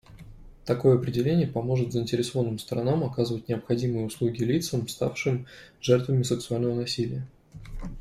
Такое определение поможет заинтересованным сторонам оказывать необходимые услуги лицам, ставшим жертвами сексуального насилия.